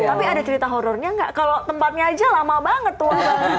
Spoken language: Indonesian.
tapi ada cerita horrornya nggak kalau tempatnya aja lama banget tuh